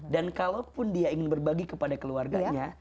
dan kalaupun dia ingin berbagi kepada keluarganya